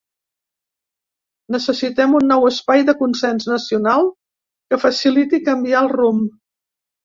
Necessitem un nou espai de consens nacional que faciliti canviar el rumb.